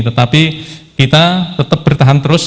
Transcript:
tetapi kita tetap bertahan terus